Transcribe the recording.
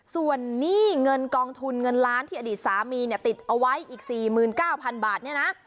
ส่วนหนี้เงินกองทุนเงินล้านที่อดีตสามีเนี่ยติดเอาไว้อีก๔๙๐๐บาทเนี่ยนะ